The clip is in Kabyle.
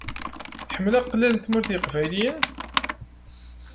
Tḥemmel aqellal n Tmurt n yeqbayliyen?